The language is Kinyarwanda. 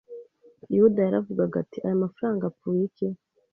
Yuda yaravugaga ati: Aya mafaranga apfuye iki?